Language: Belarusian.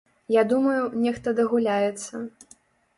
Я думаю, нехта дагуляецца.